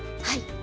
はい。